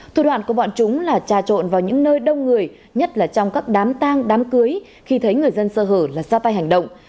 thủ đoạn của bọn chúng là trà trộn vào những nơi đông người nhất là trong các đám tang đám cưới khi thấy người dân sơ hở là ra tay hành động